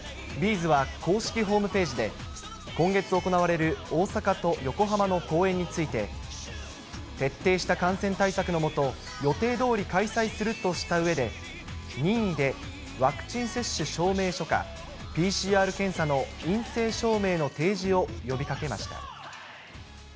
’ｚは公式ホームページで、今月行われる大阪と横浜の公演について、徹底した感染対策の下、予定どおり開催するとしたうえで、任意でワクチン接種証明書か、ＰＣＲ検査の陰性証明の提示を呼びかけました。